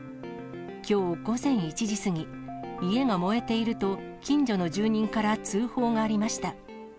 きょう午前１時過ぎ、家が燃えていると近所の住人から通報がありました。